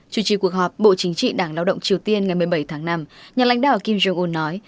chủ trì cuộc họp bộ chính trị đảng lao động triều tiên ngày một mươi bảy tháng năm nhà lãnh đạo kim jong un nói